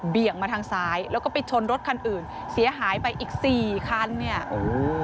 มาทางซ้ายแล้วก็ไปชนรถคันอื่นเสียหายไปอีกสี่คันเนี่ยโอ้โห